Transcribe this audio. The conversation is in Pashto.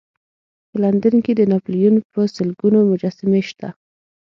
په لندن کې د ناپلیون په سلګونو مجسمې شته.